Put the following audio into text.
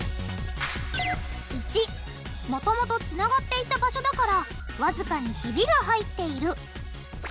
①もともとつながっていた場所だからわずかにひびが入っている。